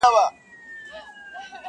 o له څاڅکو څاڅکو څه درياب جوړېږي٫